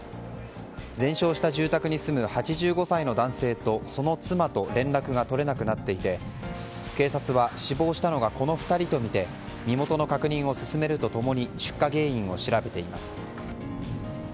全焼した住宅に住む８５歳の男性とその妻と連絡が取れなくなっていて警察は、死亡したのがこの２人とみて身元の確認を進めると共に出火原因を調べています。